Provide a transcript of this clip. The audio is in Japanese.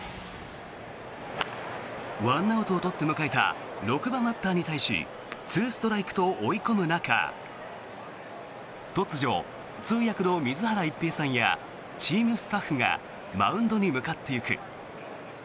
１アウトを取って迎えた６番バッターに対し２ストライクと追い込む中突如、通訳の水原一平さんやチームスタッフがマウンドに向かっていく。